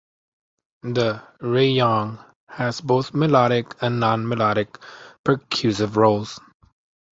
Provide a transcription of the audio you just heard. The "reyong" has both melodic and non-melodic percussive roles.